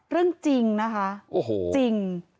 เรื่องจริงนะคะจริง